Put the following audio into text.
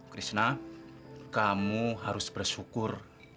krishna kamu harus bersyukur